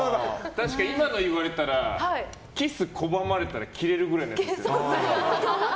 確かに今のを言われたらキス拒まれたらキレるくらいだった。